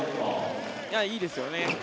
いいですよね。